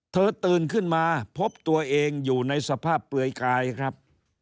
ตื่นขึ้นมาพบตัวเองอยู่ในสภาพเปลือยกายครับ